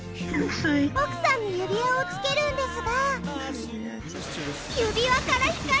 奥さんに指輪をつけるんですが。